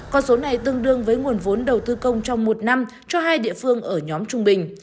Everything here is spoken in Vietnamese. con số này tương đương với nguồn vốn đầu tư công trong một năm cho hai địa phương ở nhóm trung bình